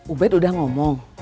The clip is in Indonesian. ubed udah ngomong